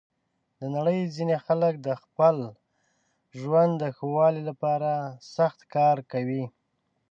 د نړۍ ځینې خلک د خپل ژوند د ښه والي لپاره سخت کار کوي.